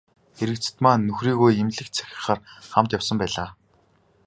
Эрэгзэдмаа нөхрийгөө эмнэлэгт сахихаар хамт явсан байлаа.